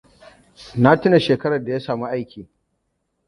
Na tuna shekarar da ya sami aiki.